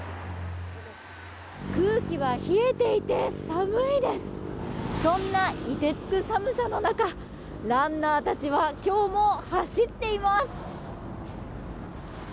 空気は冷えて寒いですがそんな凍てつく寒さの中ランナーたちは今日も走っています。